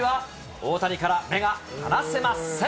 大谷から目が離せません。